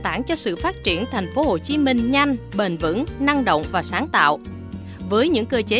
tảng cho sự phát triển thành phố hồ chí minh nhanh bền vững năng động và sáng tạo với những cơ chế